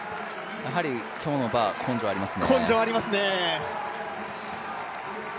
今日のバー、根性ありますね